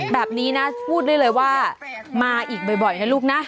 แบบนี้นะพูดได้เลยว่ามาอีกบ่อยนะลูกนะ